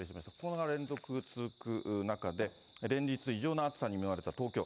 ９日連続続く中で、連日、異常な暑さに見舞われた東京。